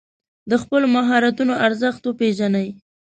د خپلو مهارتونو ارزښت وپېژنئ.